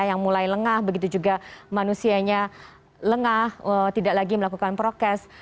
yang mulai lengah begitu juga manusianya lengah tidak lagi melakukan prokes